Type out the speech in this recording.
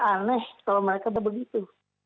aneh kalau mereka begitu